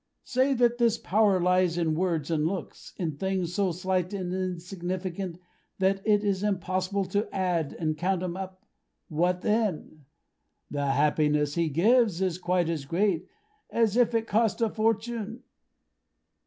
Say that his power lies in words and looks; in things so slight and insignificant that it is impossible to add and count 'em up; what then? The happiness he gives, is quite as great as if it cost a fortune."